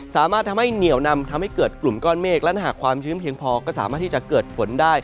สามารถทำให้เหนียวนำทำให้เกิดกลุ่มก้อนเมฆและถ้าหากความชื้นเพียงพอก็สามารถที่จะเกิดฝนได้